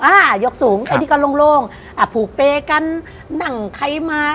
อ่ายกสูงอันนี้ก็โล่งอ่าผูกเปกันนั่งใครมา